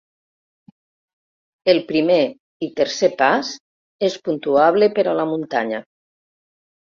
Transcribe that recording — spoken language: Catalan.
El primer i tercer pas és puntuable per a la muntanya.